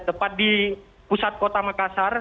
tepat di pusat kota makassar